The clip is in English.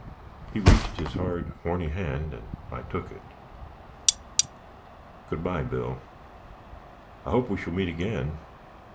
He reached his hard, horny hand, and I took it. "Good by, Bill, I hope we shall meet again.